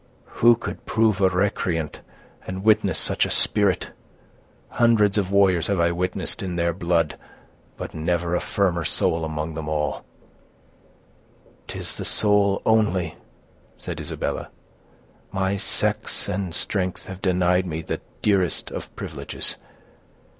"Who could prove a recreant, and witness such a spirit! Hundreds of warriors have I witnessed in their blood, but never a firmer soul among them all." "'Tis the soul only," said Isabella. "My sex and strength have denied me the dearest of privileges.